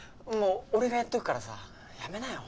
俺がやっとくからさやめなよ。